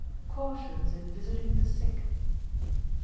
Cautions in Visiting the Sick.